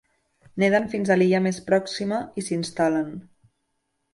Neden fins a l'illa més pròxima i s'instal·len.